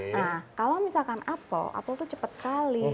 nah kalau misalkan apel apel tuh cepat sekali